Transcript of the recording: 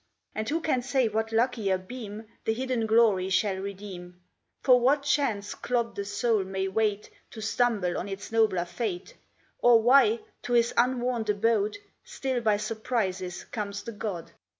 And who can say what luckier beam The hidden glory shall redeem, For what chance clod the soul may wait To stumble on its nobler fate, Or why, to his unwarned abode, Still by surprises comes the God?